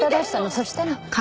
そしたら。